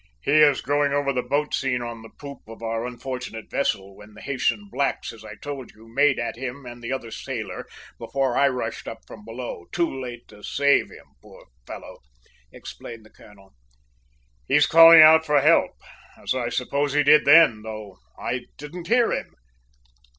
"He is going over the boat scene on the poop of our unfortunate vessel, when the Haytian blacks, as I told you, made at him and the other sailor before I rushed up from below, too late to save him, poor fellow!" explained the colonel. "He's calling out for help, as I suppose he did then, though I didn't hear him!"